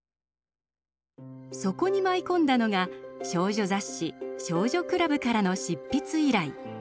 そこに舞い込んだのが少女雑誌「少女クラブ」からの執筆依頼。